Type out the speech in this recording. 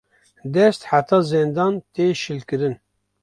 Dest heta zendan tê şilkirin